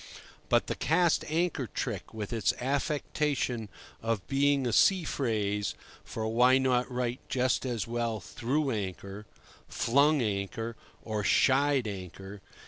But the "cast anchor" trick, with its affectation of being a sea phrase—for why not write just as well "threw anchor," "flung anchor," or "shied anchor"?